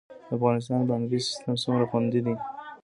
د افغانستان بانکي سیستم څومره خوندي دی؟